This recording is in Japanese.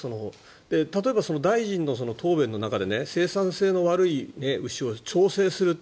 例えば、大臣の答弁の中で生産性の悪い牛を調整する。